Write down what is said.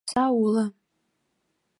Окса уло.